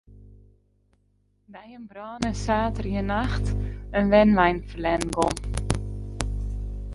By in brân is saterdeitenacht in wenwein ferlern gien.